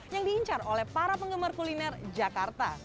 yang diincar oleh para penggemar kuliner jakarta